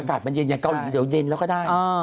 อากาศมันเย็นอย่างเกาหลีเดี๋ยวเย็นแล้วก็ได้